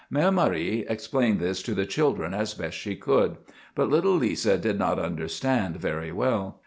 Mère Marie explained this to the children as best she could, but little Lisa did not understand very well.